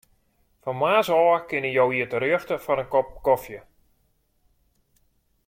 Fan moarns ôf kinne jo hjir terjochte foar in kop kofje.